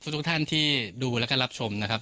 ทุกท่านที่ดูแล้วก็รับชมนะครับ